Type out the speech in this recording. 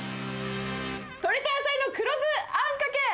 鶏と野菜の黒酢あんかけ。